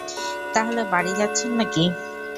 তাহলে, বাড়ি যাচ্ছেন নাকি?